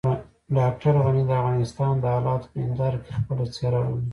ډاکټر غني د افغانستان د حالاتو په هنداره کې خپله څېره وليده.